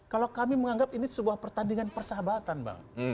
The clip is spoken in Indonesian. kalau kami menganggap ini sebuah pertandingan persahabatan bang